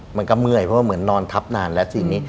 มันก็เมื่อยเพราะว่าเหมือนนอนทับนานแล้วทีนี้